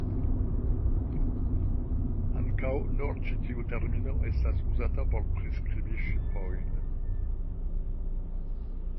Ankaŭ nur ĉi tiu termino estas uzata por priskribi ŝipojn.